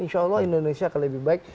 insya allah indonesia akan lebih baik